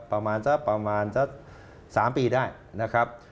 ประมาณสัก๓ปีได้นะครับ